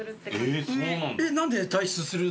えっ何で退出する？